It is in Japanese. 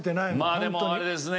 まあでもあれですね。